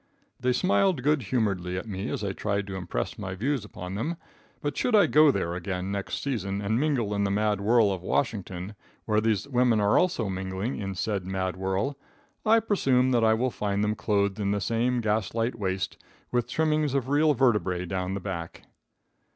They smiled good humoredly at me as I tried to impress my views upon them, but should I go there again next season and mingle in the mad whirl of Washington, where these fair women are also mingling in said mad whirl, I presume that I will find them clothed in the same gaslight waist, with trimmings of real vertebrae down the back.